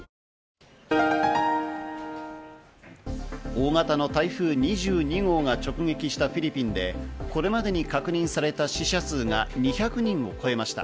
大型の台風２２号が直撃したフィリピンで、これまでに確認された死者数が２００人を超えました。